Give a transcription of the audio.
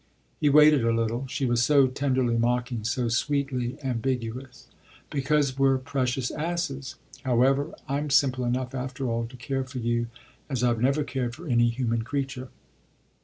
He waited a little she was so tenderly mocking, so sweetly ambiguous. "Because we're precious asses! However, I'm simple enough, after all, to care for you as I've never cared for any human creature.